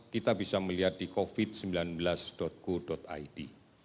kita bisa melihat di covid sembilan belas go id